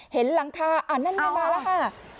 เห็นหลังคาอ่ะนั่นมาแล้วค่ะ